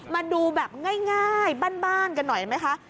มาดูแบบง่ายบ้านกันหน่อยไหมคะ